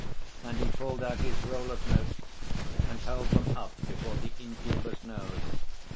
And he pulled out his roll of notes, and held them up before the innkeeper's nose.